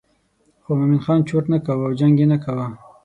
خو مومن خان چرت نه کاوه او جنګ یې نه کاوه.